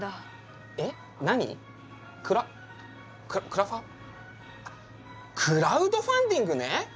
クラファ？クラウドファンディングね！